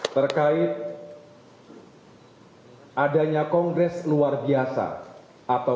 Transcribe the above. terkait adanya kongres luar biasa atau